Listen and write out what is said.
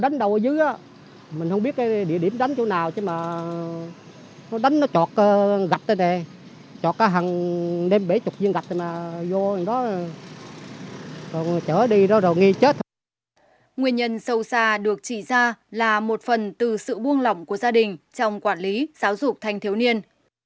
nguyên nhân sâu xa được trị ra là một phần từ sự buông lỏng của gia đình trong quản lý giáo dục thanh thiếu niên